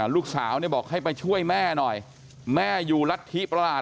ลูกสาวเนี่ยบอกให้ไปช่วยแม่หน่อยแม่อยู่รัฐธิประหลาด